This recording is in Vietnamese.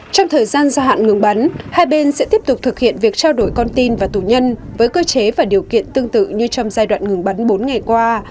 trong thời gian gia hạn ngừng bắn hai bên sẽ tiếp tục thực hiện việc trao đổi con tin và tù nhân với cơ chế và điều kiện tương tự như trong giai đoạn ngừng bắn bốn ngày qua